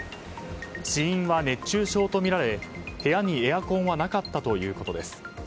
死因は熱中症とみられ部屋にエアコンはなかったということです。